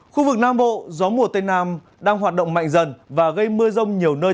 khu vực nam bộ gió mùa tây nam đang hoạt động mạnh dần và gây mưa rông nhiều nơi